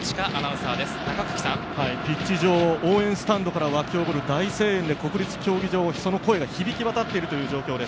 地元三重テレビ、中久木大力アナピッチ上、応援スタンドから沸き起こる大声援で国立競技場、その声が響き渡っているという状況です。